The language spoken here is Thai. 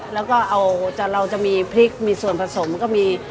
แล้วก็เอาเราจะมีพริกมีส่วนผสมก็มี